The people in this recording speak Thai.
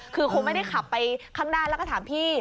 คือคงไม่ได้ขับไปข้างหน้าแล้วก็ถามพี่